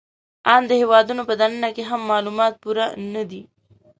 آن د هېوادونو په دننه کې هم معلومات پوره نهدي